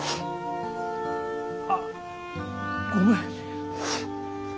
あっごめん。